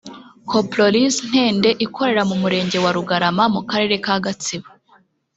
Coproriz Ntende ikorera mu Murenge wa Rugarama mu Karere ka Gatsibo